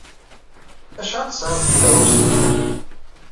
Acḥal tesɛiḍ d tikeṛṛusin?